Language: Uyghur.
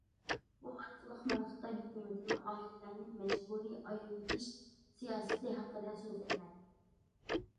بۇ ئارقىلىق مەن خىتاي ھۆكۈمىتىنىڭ ئائىلىلەرنى مەجبۇرىي ئايرىۋېتىش سىياسىتى ھەققىدە سۆزلەيمەن.